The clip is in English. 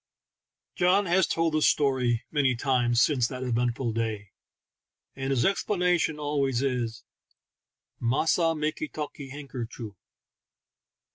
John has told the story many times since that eventful day, and his explanation always is, " Massa makee talkee han ker choo !